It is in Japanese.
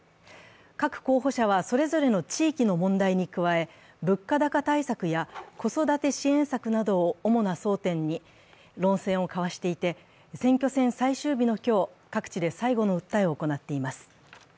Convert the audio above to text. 各候補者はそれぞれの地域の問題に加え物価高対策や子育て支援策などを主な争点に論戦を交わしていて、選挙戦最終日の今日、各地で最後の訴えを行っています。